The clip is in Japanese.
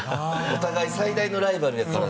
お互い最大のライバルやから。